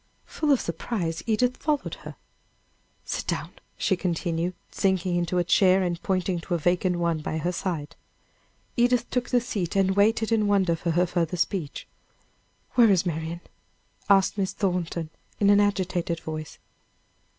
Full of surprise, Edith followed her. "Sit down," she continued, sinking into a chair, and pointing to a vacant one by her side. Edith took the seat, and waited in wonder for her further speech. "Where is Marian?" asked Miss Thornton, in an agitated voice.